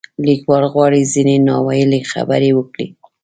لیکوال غواړي ځینې نا ویلې خبرې وکړي.